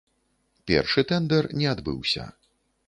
Першы тэндэр не адбыўся.